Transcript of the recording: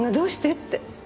って。